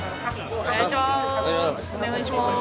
お願いします。